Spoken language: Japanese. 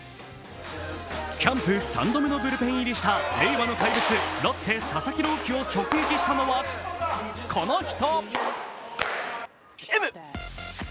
キャンプ３度目のブルペン入りした令和の怪物ロッテ・佐々木朗希を直撃したのはこの人。